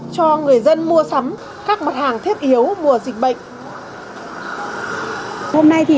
cho người dân mua sắm các mặt hàng thiết yếu mùa dịch bệnh